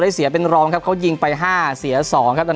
เสียเป็นรองครับเขายิงไปห้าเสีย๒ครับ